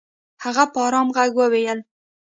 هغه په ارام ږغ وويل.